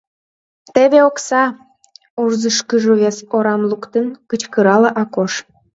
— Теве окса! — урзышкыжо вес орам луктын, кычкырале Акош.